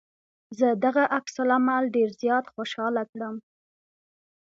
زه دغه عکس العمل ډېر زيات خوشحاله کړم.